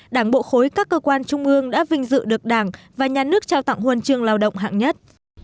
đảng bộ khối các cơ quan trung ương đã vinh dự được đảng và nhà nước trao tặng huân chương lao động hạng nhất